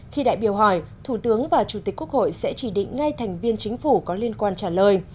khi đại biểu hỏi thủ tướng và chủ tịch quốc hội sẽ chỉ định ngay thành viên chính phủ có liên quan trả lời